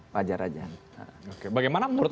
wajar aja bagaimana menurut